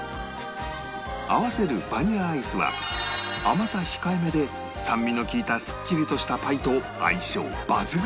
合わせるバニラアイスは甘さ控えめで酸味の利いたすっきりとしたパイと相性抜群